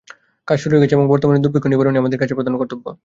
কাজ শুরু হয়ে গেছে এবং বর্তমানে দুর্ভিক্ষনিবারণই আমাদের কাছে প্রধান কর্তব্য।